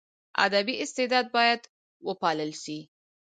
ادبي استعداد باید وپالل سي.